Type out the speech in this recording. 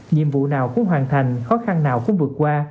nhiệm vụ nào cũng hoàn thành khó khăn nào cũng vượt qua